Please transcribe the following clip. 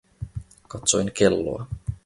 Katsoin kelloa.